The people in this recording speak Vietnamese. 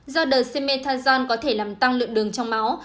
do dexamethasone có thể làm tăng lượng đường trong máu